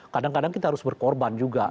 kadang kadang kita harus berkorban juga